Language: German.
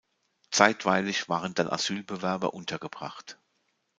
Zeitweilig waren dann Asylbewerber untergebracht.